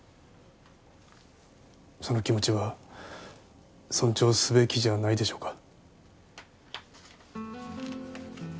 その気持ちは尊重すべきじゃないでしょうか。